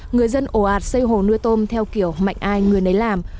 người dân ổ ạt xây hồ nuôi tôm theo kiểu mạnh ai người nấy làm